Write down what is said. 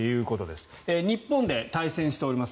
日本で対戦しております。